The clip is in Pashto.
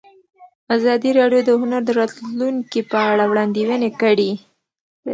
ازادي راډیو د هنر د راتلونکې په اړه وړاندوینې کړې.